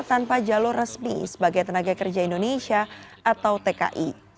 tanpa jalur resmi sebagai tenaga kerja indonesia atau tki